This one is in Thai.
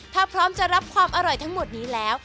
ถ้าพร้อมจะรับความอร่อยทั้งหมดนี้แล้ว